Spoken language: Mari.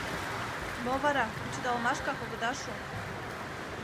— Мо вара, кучедалмашкак огыда шу.